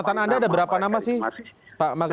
katatan anda ada berapa nama sih pak magdil